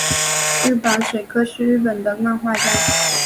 日坂水柯是日本的漫画家。